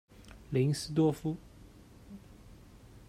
林斯多夫。